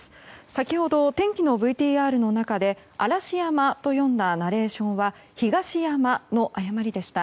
先ほど、天気のＶＴＲの中で嵐山と読んだナレーションは東山の誤りでした。